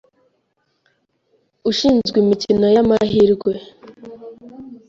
ushinzwe imikino y’amahirwe